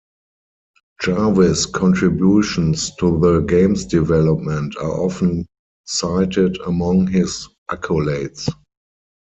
Jarvis's contributions to the game's development are often cited among his accolades.